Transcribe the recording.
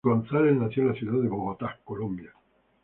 Gonzalez nació en la ciudad de Bogotá, Colombia.